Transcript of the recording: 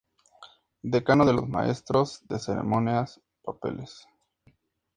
Decano de los maestros de Ceremonias Papales.